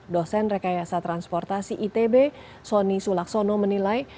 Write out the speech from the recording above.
dosen rekayasa transportasi itb sonny sulaksono menilai